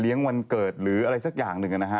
เหรียงวันเกิดหรืออะไรสักอย่างหนึ่งเนี้ยฮะ